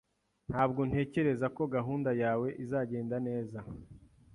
Ntabwo ntekereza ko gahunda yawe izagenda neza.